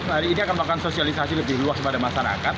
hari ini akan melakukan sosialisasi lebih luas kepada masyarakat